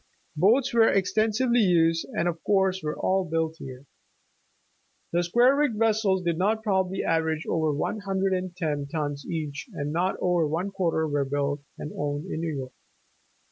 Boats were extensively used and of course were all built here. The square rigged vessels did not probably average over one hundred and ten tons each and not over one quarter were built and owned in New York.